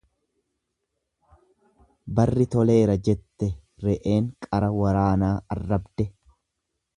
Barri toleera jettee re'een qara waraanaa arrabde.